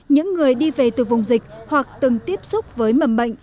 những người đi về từ vùng dịch hoặc từng tiếp xúc với mầm bệnh